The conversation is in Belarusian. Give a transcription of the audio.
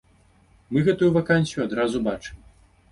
Мы гэтую вакансію адразу бачым.